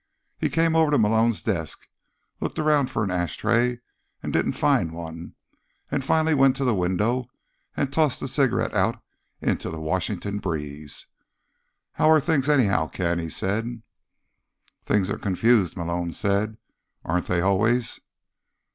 He came over to Malone's desk, looked around for an ashtray and didn't find one, and finally went to the window and tossed the cigarette out into the Washington breeze. "How are things, anyhow, Ken?" he said. "Things are confused," Malone said. "Aren't they always?"